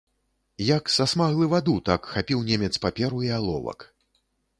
Як сасмаглы ваду, так хапіў немец паперу і аловак.